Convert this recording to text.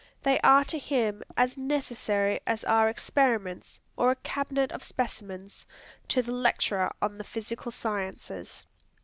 They are to him as necessary as are experiments, or a cabinet of specimens, to the lecturer on the physical sciences.